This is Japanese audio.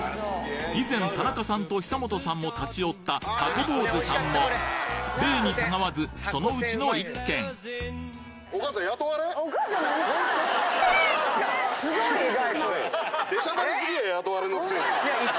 以前田中さんと久本さんも立ち寄ったたこぼーずさんも例にたがわずそのうちの１軒すごい意外！